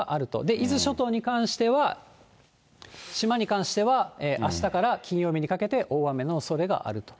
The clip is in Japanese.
伊豆諸島に関しては、島に関しては、あしたから金曜日にかけて大雨のおそれがあると。